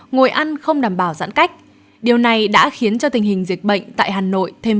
ngồi ăn không đảm bảo giãn cách điều này đã khiến cho tình hình dịch bệnh tại hà nội thêm